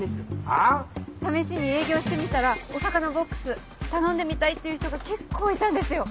はぁ⁉試しに営業してみたらお魚ボックス頼んでみたいっていう人が結構いたんですよ。